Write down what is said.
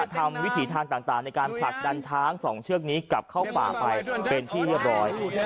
วิถีทางต่างในการผลักดันช้าง๒เชือกนี้กลับเข้าป่าไปเป็นที่เรียบร้อย